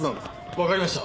わかりました。